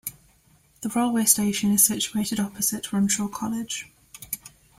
The railway station is situated opposite Runshaw College.